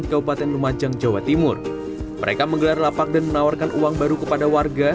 kabupaten lumajang jawa timur mereka menggelar lapak dan menawarkan uang baru kepada warga